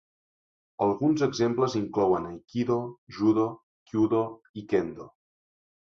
Alguns exemples inclouen aikido, judo, kyudo i kendo.